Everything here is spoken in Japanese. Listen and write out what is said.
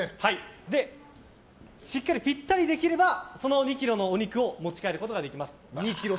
ぴったりできれば、その２ｋｇのお肉を持ち帰ることができます。